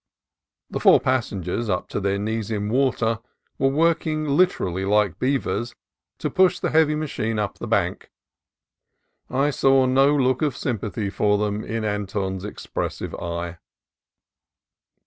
The four passengers, up to their knees in water, were working, literally like beavers, to push the heavy machine up the bank. I saw no look of sympathy for them in Anton's expressive eye.